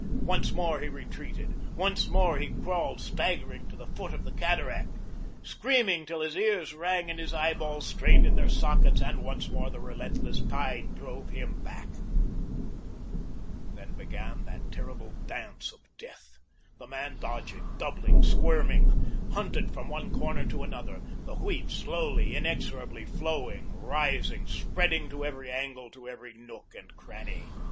Once more he retreated. Once more he crawled staggering to the foot of the cataract, screaming till his ears sang and his eyeballs strained in their sockets, and once more the relentless tide drove him back. Then began that terrible dance of death; the man dodging, doubling, squirming, hunted from one corner to another, the wheat slowly, inexorably flowing, rising, spreading to every angle, to every nook and cranny.